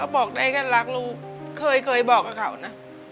บอกได้เลยรักคนเคยบอกตาเขานะ